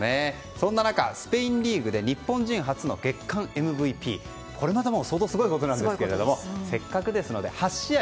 そんな中、スペインリーグで日本人初の月間ＭＶＰ相当すごいことなんですけどせっかくですので８試合